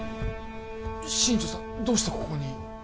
新庄さんどうしてここに？